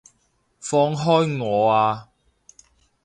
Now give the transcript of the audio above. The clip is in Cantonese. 放開我啊！